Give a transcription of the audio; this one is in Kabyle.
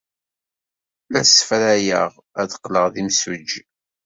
La ssefrayeɣ ad qqleɣ d imsujji.